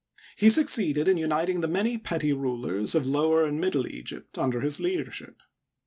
He succeeded in uniting the many petty rulers of Lower and Middle Egypt under his leadership.